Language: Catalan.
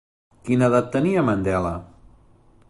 Quina edat tenia Mandela?